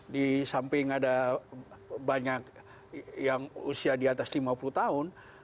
di samping ada banyak yang usia di atas lima puluh tahun